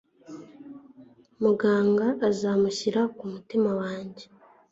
muganga azagushira kumutima wanjye